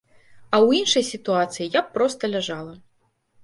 А ў іншай сітуацыі я б проста ляжала.